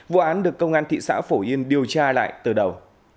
vụ án được công an thị xã phổ yên điều tra lại từ đầu